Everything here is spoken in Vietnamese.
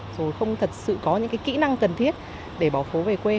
rồi không thật sự có những kỹ năng cần thiết để bỏ phố về quê